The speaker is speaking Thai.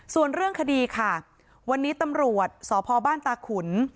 ส่วนเรื่องคดีค่ะวันนี้ตำรวจสพบ้านตาขุน